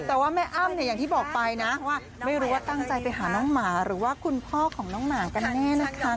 แต่ว่าแม่อ้ำเนี่ยอย่างที่บอกไปนะว่าไม่รู้ว่าตั้งใจไปหาน้องหมาหรือว่าคุณพ่อของน้องหมากันแน่นะคะ